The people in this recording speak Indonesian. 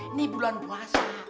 ini bulan puasa